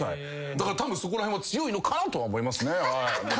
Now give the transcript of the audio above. だからたぶんそこら辺は強いかなとは思います。